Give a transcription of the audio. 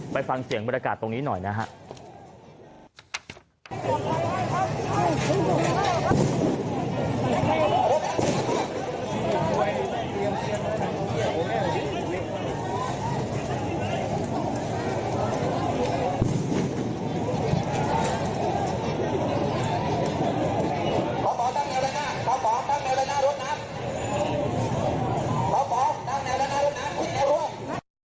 ไปฟังเสียงบรรยากาศตรงนี้หน่อยนะครับ